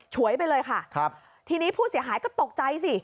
ฉวยไปเลยค่ะครับทีนี้ผู้เสียหายก็ตกใจสิ